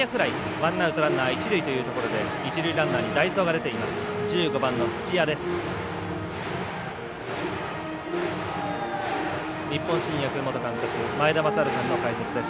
ワンアウト、ランナー一塁というところで一塁ランナーに代走が出ています。